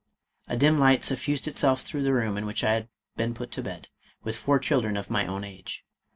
A dim light suffused itself through the room in which I had been put to bed, with four children of my own age.